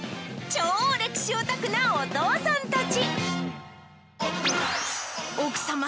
超歴史オタクなお父さんたち。